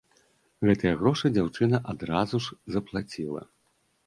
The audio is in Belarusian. Гэтыя грошы дзяўчына адразу ж заплаціла.